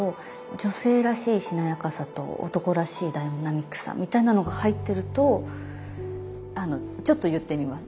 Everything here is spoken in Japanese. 「女性らしいしなやかさと男らしいダイナミックさ」みたいなのが入ってるとちょっと言ってみます。